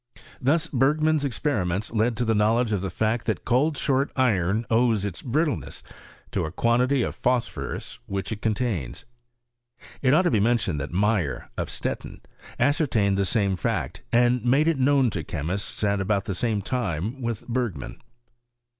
Thus Bergman's experiments led to the knowledge of the fact that cohi short iron owes its brittleneas to a quantity of phosphorus which it coiitaina. It ought to be mentioned that Meyer, of Stettin, as certained the same fact, and made it known ts chemists at about the same time with Bergman.